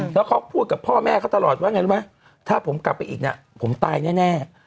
แล้วเขาพูดกับพ่อแม่เขาตลอดว่าไงรู้ไหมถ้าผมกลับไปอีกเนี่ยผมตายแน่